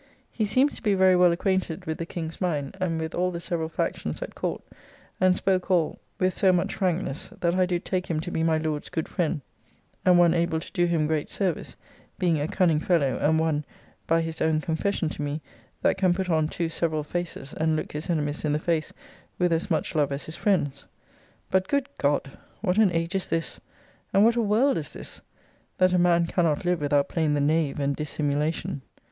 He seems to be very well acquainted with the King's mind, and with all the several factions at Court, and spoke all with so much frankness, that I do take him to be my Lord's good friend, and one able to do him great service, being a cunning fellow, and one (by his own confession to me) that can put on two several faces, and look his enemies in the face with as much love as his friends. But, good God! what an age is this, and what a world is this! that a man cannot live without playing the knave and dissimulation.